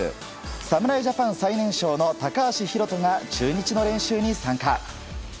侍ジャパン最年少の高橋宏斗が中日の練習に参加。